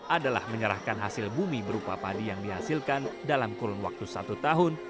adalah menyerahkan hasil bumi berupa padi yang dihasilkan dalam kurun waktu satu tahun